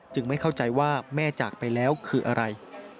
ไม่เข้าใจว่าแม่จากไปแล้วคืออะไร